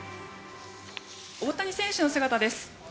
大谷選手の姿です。